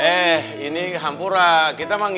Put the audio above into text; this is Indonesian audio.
eh ini hampura kita mah